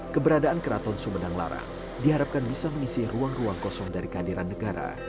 keberadaan keraton sumedang lara diharapkan bisa mengisi ruang ruang kosong dari kehadiran negara